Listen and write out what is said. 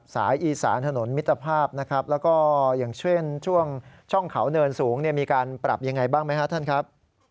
สายอีสานฐานมิตรภาพแล้วก็อย่างช่วงช่องเขาเนินสูงมีการปรับยังไงบ้างไหมฮะท่านครับ